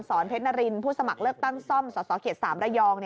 เพชรนารินผู้สมัครเลือกตั้งซ่อมสสเขต๓ระยอง